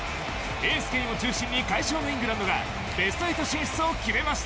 エース、ケインを中心に快勝のイングランドがベスト８進出を決めました。